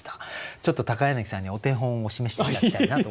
ちょっと柳さんにお手本を示して頂きたいなと思います。